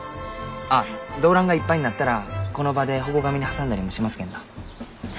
あっ胴乱がいっぱいになったらこの場で反故紙に挟んだりもしますけんど。